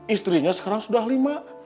istrinya sekarang sudah lima